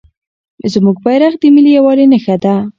زموږ بیرغ د ملي یووالي نښه ده.